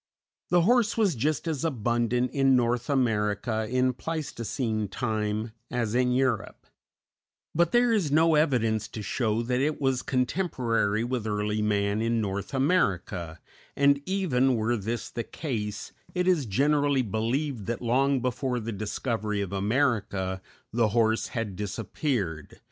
The horse was just as abundant in North America in Pleistocene time as in Europe; but there is no evidence to show that it was contemporary with early man in North America, and, even were this the case, it is generally believed that long before the discovery of America the horse had disappeared.